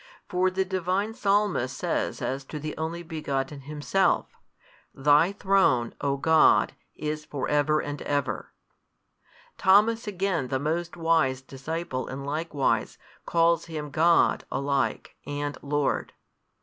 For the Divine Psalmist says as to the Only Begotten Himself, Thy Throne, O God, is for ever and ever: Thomas again the most wise disciple in like wise calls Him God alike and Lord.